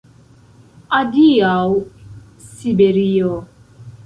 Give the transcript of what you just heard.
Adiaŭ, Siberio!”